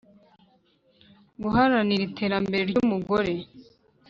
Guharanira iterambere ry umugore